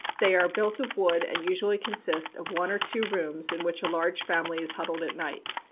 They are built of wood and usually consist of one or two rooms, in which a large family is huddled at night.